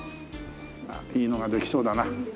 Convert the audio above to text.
いいのができそうだな。